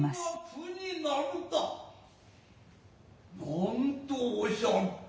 何とおしやる。